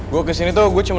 gua kesini tuh cuma mau bilang